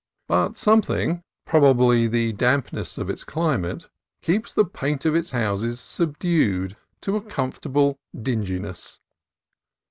But some thing, probably the dampness of its climate, keeps the paint of its houses subdued to a comfortable dinginess.